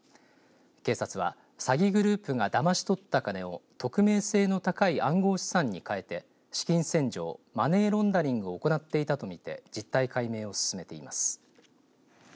警察は詐欺グループがだまし取った金を匿名性の高い暗号資産に換えて資金洗浄、マネーロンダリングを行っていたと見て実態解明を進めています。